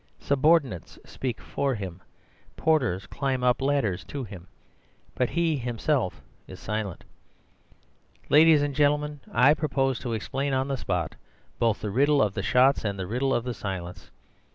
Subordinates speak for him. Porters climb up ladders to him. But he himself is silent. Ladies and gentlemen, I propose to explain on the spot both the riddle of the shots and the riddle of the silence.